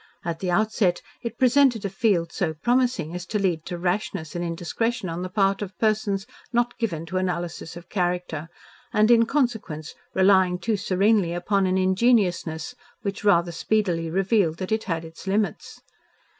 At the outset it presented a field so promising as to lead to rashness and indiscretion on the part of persons not given to analysis of character and in consequence relying too serenely upon an ingenuousness which rather speedily revealed that it had its limits.